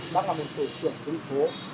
bác là một cổ trưởng phương phố